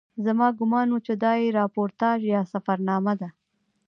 زما ګومان و چې دا یې راپورتاژ یا سفرنامه ده.